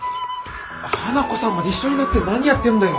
花子さんまで一緒になって何やってるんだよ！